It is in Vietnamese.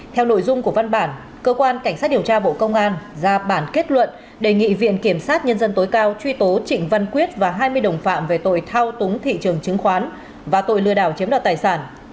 theo nội dung của văn bản cơ quan cảnh sát điều tra bộ công an ra bản kết luận đề nghị viện kiểm sát nhân dân tối cao truy tố trịnh văn quyết và hai mươi đồng phạm về tội thao túng thị trường chứng khoán và tội lừa đảo chiếm đoạt tài sản